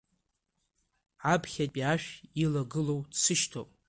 Аԥхьатәи ашә илагылоу дсышьҭоуп.